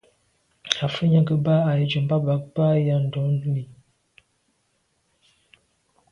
À’ fə̂ nyɑ́ gə̀ bə́ â Ahidjò mbɑ́ bə̀k bə́ á yá ndɔ̌n lî.